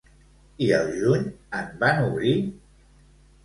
I al juny en van obrir?